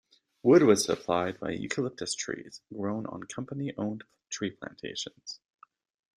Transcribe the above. Wood was supplied by eucalyptus trees grown on company-owned tree plantations.